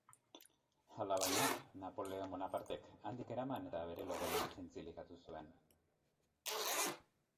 Alabaina, Napoleon Bonapartek handik eraman eta bere logelan zintzilikatu zuen.